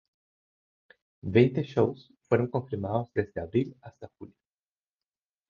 Veinte shows fueron confirmados desde abril hasta julio.